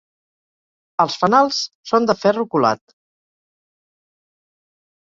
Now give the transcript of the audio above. Els fanals són de ferro colat.